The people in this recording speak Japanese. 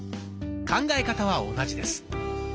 考え方は同じです。